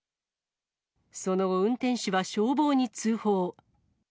その後、運転手は消防に通報。